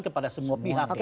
kepada semua pihak